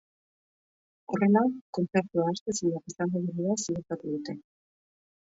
Horrela, kontzertu ahaztezinak izango direla ziurtatu dute.